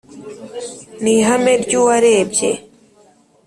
ni ihame ry’uwarebye